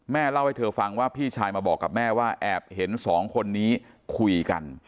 เล่าให้เธอฟังว่าพี่ชายมาบอกกับแม่ว่าแอบเห็นสองคนนี้คุยกัน